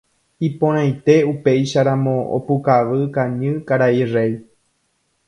Iporãite upéicharamo opukavy kañy karai Réi.